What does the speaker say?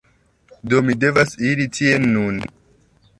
Do mi devas iri tien nun.